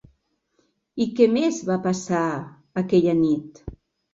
I què més va passar, aquella nit?